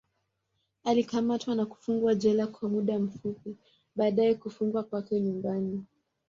Alikamatwa na kufungwa jela kwa muda fupi, baadaye kufungwa kwake nyumbani.